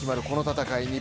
この戦い